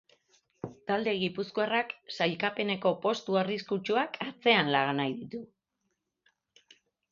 Talde gipuzkoarrak sailkapeneko postu arriskutsuak atzean laga nahi ditu.